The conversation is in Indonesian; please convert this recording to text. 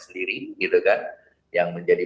sendiri gitu kan yang menjadi